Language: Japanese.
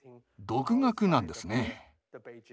独学なんですね。